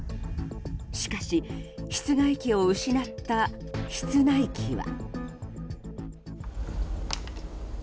しかし、室外機を失った室内機は。